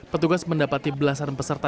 petugas mendapati belasan peserta